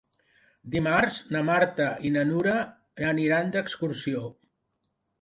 Dimarts na Marta i na Nura aniran d'excursió.